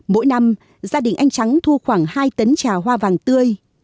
mỗi năm gia đình anh trắng thu khoảng hai tấn trà hoa vàng tươi